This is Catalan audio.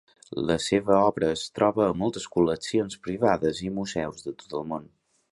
La seva obra es troba a moltes col·leccions privades i museus de tot el món.